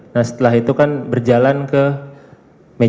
nah setelah itu kan berjalan ke meja lima puluh empat